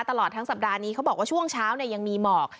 ตลอดทั้งสัปดาห์นี้เขาบอกว่าช่วงเช้ายังมีหมอก